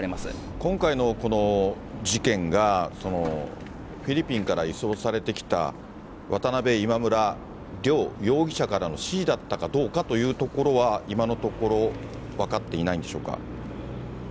今回のこの事件が、フィリピンから移送されてきた渡辺、今村、両容疑者からの指示だったかどうかというところは、今のところ分かっていないんでしょうか？